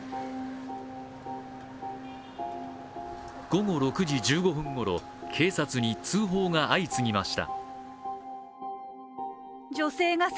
午後６時１５分ごろ警察に通報が相次ぎました。